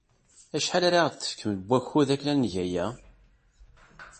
Acḥal ara aɣ-d-tefkem n wakud akken ad neg aya?